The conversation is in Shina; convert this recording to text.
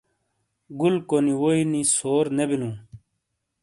گُلکو نی ووئی نی سور نےبِلُوں۔